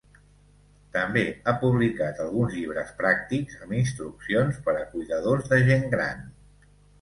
També ha publicat alguns llibres pràctics amb instruccions per a cuidadors de gent gran.